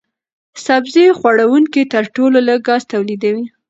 سبزي خوړونکي تر ټولو لږ ګاز تولیدوي.